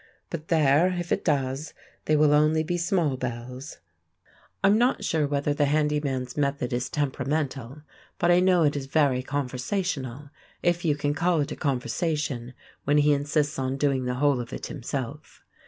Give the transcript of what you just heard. But there, if it does, they will only be small bells!" I'm not sure whether the handy man's method is temperamental, but I know it is very conversational, if you can call it a conversation when he insists on doing the whole of it himself.